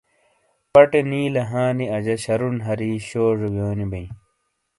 پٹے نیلے ہاں نی اجا شَرُون ہری شوجے ویونی بئیں۔